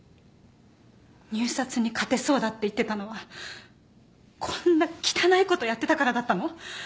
入札に勝てそうだって言ってたのはこんな汚いことやってたからだったの？